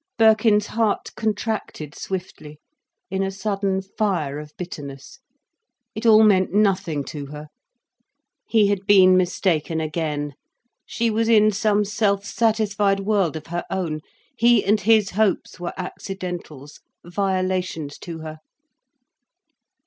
Birkin's heart contracted swiftly, in a sudden fire of bitterness. It all meant nothing to her. He had been mistaken again. She was in some self satisfied world of her own. He and his hopes were accidentals, violations to her.